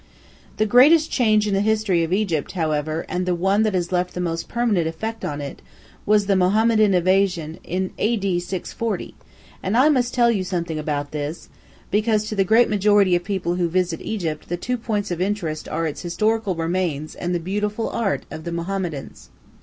The greatest change in the history of Egypt, however, and the one that has left the most permanent effect upon it, was the Mohammedan invasion in A.D. 640, and I must tell you something about this, because to the great majority of people who visit Egypt the two great points of interest are its historical remains and the beautiful art of the Mohammedans.